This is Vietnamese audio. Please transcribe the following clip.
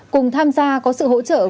cùng tham gia có sự hỗ trợ